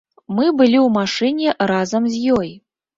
Мы былі ў машыне разам з ёй.